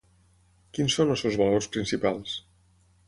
Quins són els seus valors principals?